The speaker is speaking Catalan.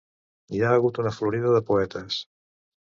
Hi ha hagut una florida de poetes.